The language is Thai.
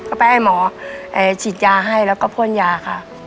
ก็ไปให้หมอฉีดยาให้แล้วก็พ่นยาค่ะ